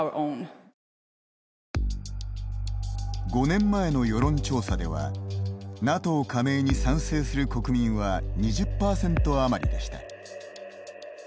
５年前の世論調査ではＮＡＴＯ加盟に賛成する国民は２０％余りでした。